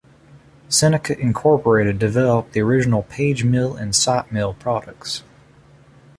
Seneca Incorporated developed the original PageMill and SiteMill products.